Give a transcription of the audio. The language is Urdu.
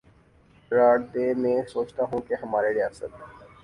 قرار دے میںسوچتاہوں کہ ہماری ریاست